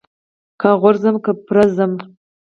که غورځم که پرځم.